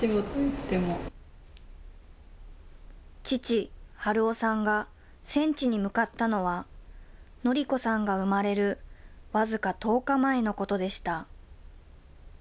父、春雄さんが戦地に向かったのは、紀子さんが産まれる僅か１０日前のことでした。